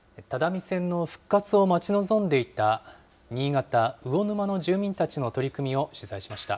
只見線の復活を待ち望んでいた新潟・魚沼の住民たちの取り組みを取材しました。